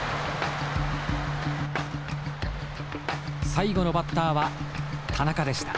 最後のバッターは田中でした。